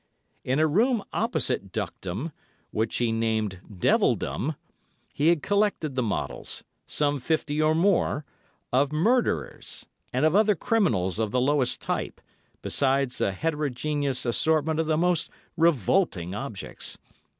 In a room opposite Duckdom, which he named Devildom, he had collected the models—some fifty or more—of murderers, and other criminals of the lowest type, besides a heterogeneous assortment of the most revolting objects.